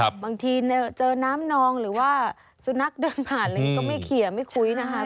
บางทีเจอน้ำนองหรือว่าสุนัขเดินผ่านอะไรอย่างนี้ก็ไม่เขียไม่คุยนะคะ